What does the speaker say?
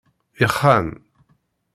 Ixxan.